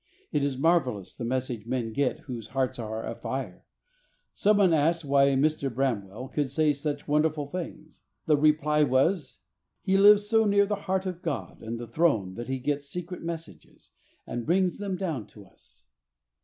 It is marvellous the message men get whose hearts are afire. Someone asked why Mr. Bramwell could say such wonderful things. The reply was, "He lives so near the heart of God and the Throne that he gets secret messages, and brings them down to us."